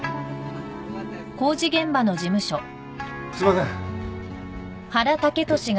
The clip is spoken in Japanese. すいません。